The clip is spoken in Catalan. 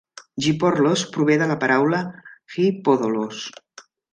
Giporlos prové de la paraula "Hi-Podolos".